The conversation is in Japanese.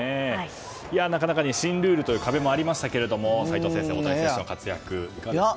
なかなかに新ルールという壁もありましたけれど齋藤先生、大谷選手の活躍いかがでしょうか。